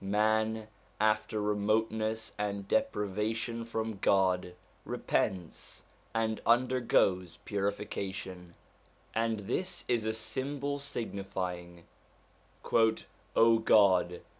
Man, after remoteness and deprivation from God, repents, and undergoes purification : and this is a symbol signifying 104 SOME CHRISTIAN SUBJECTS 105 '0 God!